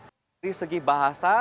jadi segi bahasa